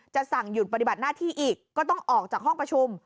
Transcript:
สั่งหยุดปฏิบัติหน้าที่อีกก็ต้องออกจากห้องประชุม